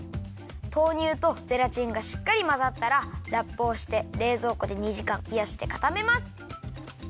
豆乳とゼラチンがしっかりまざったらラップをしてれいぞうこで２じかんひやしてかためます。